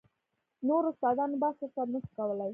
نورو استادانو بحث ورسره نه سو کولاى.